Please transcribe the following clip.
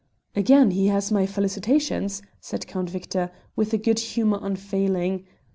"Again he has my felicitations," said Count Victor, with a good humour unfailing.